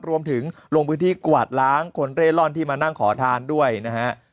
ลงพื้นที่กวาดล้างคนเร่ร่อนที่มานั่งขอทานด้วยนะฮะ